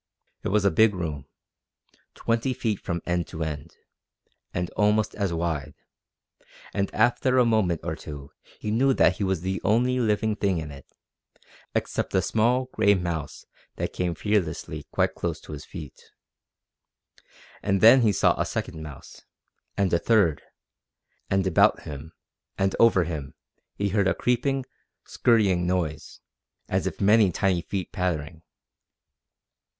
It was a big room, twenty feet from end to end, and almost as wide, and after a moment or two he knew that he was the only living thing in it, except a small, gray mouse that came fearlessly quite close to his feet. And then he saw a second mouse, and a third, and about him, and over him, he heard a creeping, scurrying noise, as of many tiny feet pattering.